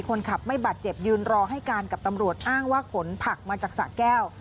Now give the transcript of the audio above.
คนขับไม่บาดเจ็บยืนรอให้การกับตำรวจอ้างว่าขนผักมาจากสะแก้ว